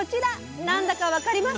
何だか分かります？